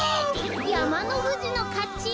やまのふじのかち！